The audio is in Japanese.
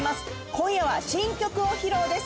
今夜は新曲を披露です。